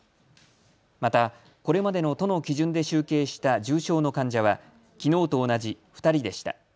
またこれまでの都の基準で集計した重症の患者はきのうと同じ２人でした。